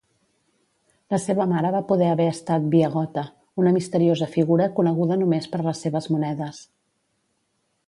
La seva mare va poder haver estat Biagota, una misteriosa figura coneguda només per les seves monedes.